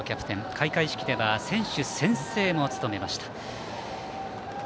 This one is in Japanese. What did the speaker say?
開会式では選手宣誓も務めました。